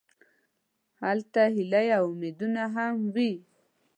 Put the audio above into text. هلته هیلې او امیدونه هم وي.